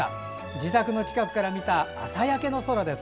自宅の近くから見た朝焼けの空です。